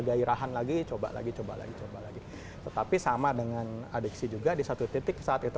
gairahan lagi coba lagi coba lagi coba lagi tetapi sama dengan adiksi juga di satu titik saat itu